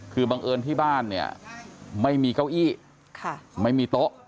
คือบังเอิญที่บ้านเนี่ยไม่มีเก้าอี้ไม่มีโต๊ะ